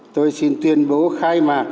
tôi xin tuyên bố khai mạc